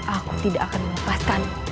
aku tidak akan melepaskan